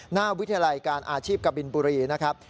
หน้าวิทยาลัยการอาชีพกบินบุรีนะครับ